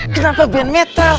kenapa band metal